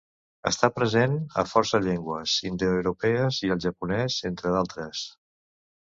Està present a força llengües indoeuropees i al japonès, entre d'altres.